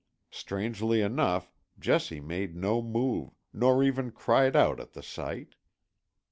Strangely enough Jessie made no move, nor even cried out at the sight.